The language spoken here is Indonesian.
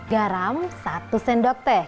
garam satu sendok teh